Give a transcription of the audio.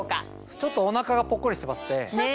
ちょっとおなかがポッコリしてますね。